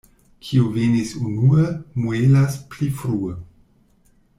Kiu venis unue, muelas pli frue.